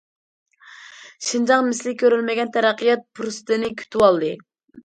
شىنجاڭ مىسلى كۆرۈلمىگەن تەرەققىيات پۇرسىتىنى كۈتۈۋالدى.